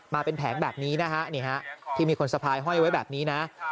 มาเป็นแผงแบบนี้นะฮะนี่ฮะที่มีคนสะพายห้อยไว้แบบนี้นะ